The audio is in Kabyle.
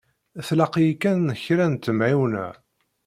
Tlaq-iyi kan kra n temɛiwna.